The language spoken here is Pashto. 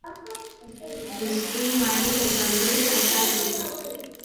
د سپینې ماڼۍ له ځانګړې استازي